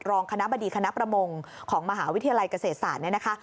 รองคณะบดีคณะประมงของมหาวิทยาลัยเกษตรศาสตร์เนี่ยนะคะ